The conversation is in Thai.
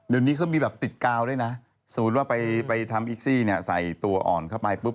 เดี๋ยวนี้เขามีแบบติดกาวด้วยนะสมมุติว่าไปทำอีกซี่เนี่ยใส่ตัวอ่อนเข้าไปปุ๊บ